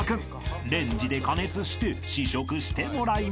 ［レンジで加熱して試食してもらいましょう］